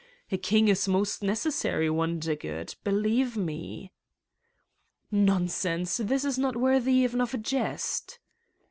A King is most necessary, Wondergood. Believe me." '' Nonsense ! This is not worthy even of a jest.